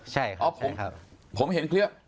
ใช่ครับผมเห็นเครียบ